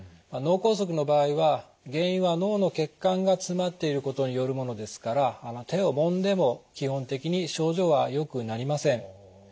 脳梗塞の場合は原因は脳の血管が詰まっていることによるものですから手をもんでも基本的に症状はよくなりません。